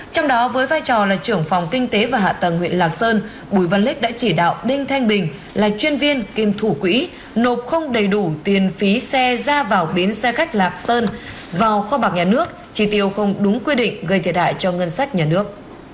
trong đó với vai trò là trưởng phòng kinh tế và hạ tầng huyện lạc sơn bùi văn lích đã chỉ đạo đinh thanh bình là chuyên viên kiêm thủ quỹ nộp không đầy đủ tiền phí xe ra vào bến xe khách lạc sơn vào kho bạc nhà nước chi tiêu không đúng quy định gây thiệt hại cho ngân sách nhà nước